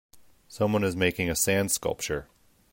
Someone is making a sand sculpture.